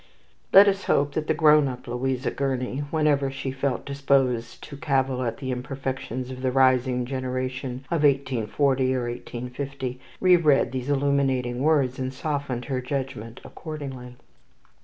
Let us hope that the grown up Louisa Gurney, whenever she felt disposed to cavil at the imperfections of the rising generation of 1840 or 1850, re read these illuminating words, and softened her judgment accordingly.